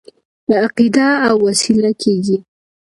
په عقیده او وسیله کېږي.